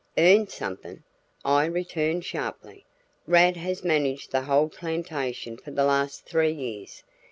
"Earn something!" I returned sharply. "Rad has managed the whole plantation for the last three years.